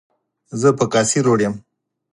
زه پر کاسي روډ یم.